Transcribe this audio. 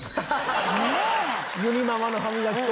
ゆにママの歯みがき粉？